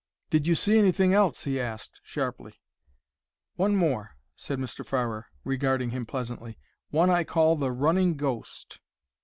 "Did you see anything else?" he asked, sharply. "One more," said Mr. Farrer, regarding him pleasantly. "One I call the Running Ghost."